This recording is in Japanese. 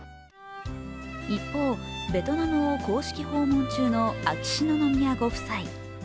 一方、ベトナムを公式訪問中の秋篠宮ご夫妻。